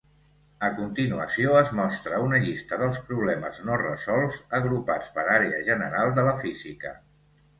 A continuació es mostra una llista dels problemes no resolts agrupats per àrea general de la física.